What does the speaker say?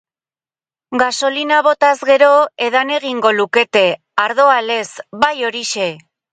Gasolina botaz gero edan egingo lukete, ardoa lez, bai horixe!